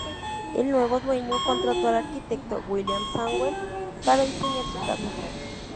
El nuevo dueño contrató al arquitecto William Samwell para diseñar su casa.